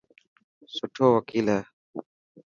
سٺو وڪيل هي.